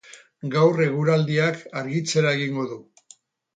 Gaur eguraldiak argitzera egingo du.